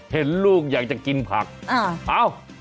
เห็นลูกอยากจะกินผักเอ้า